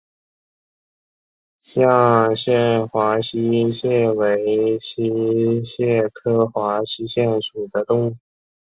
绛县华溪蟹为溪蟹科华溪蟹属的动物。